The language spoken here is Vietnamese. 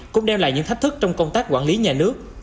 cũng đem lại những thách thức trong công tác quản lý nhà nước